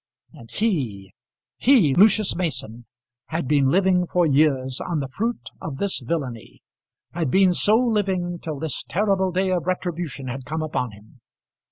And he, he, Lucius Mason, had been living for years on the fruit of this villainy; had been so living till this terrible day of retribution had come upon him!